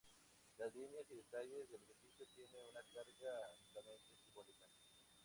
Las líneas y detalles del edificio tienen una carga altamente simbólica.